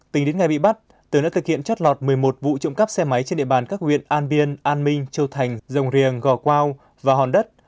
tính đến ngày bị bắt tường đã thực hiện chót lọt một mươi một vụ trộm cắp xe máy trên địa bàn các huyện an biên an minh châu thành rồng riềng gò quao và hòn đất